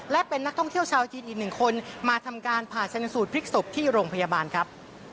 และเป็นนักท่องเที่ยวชาวจีนอีกหนึ่งคนมาทำการผ่าชนสูตรพลิกศพที่โรงพยาบาลครับ